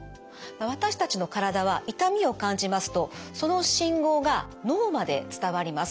私たちの体は痛みを感じますとその信号が脳まで伝わります。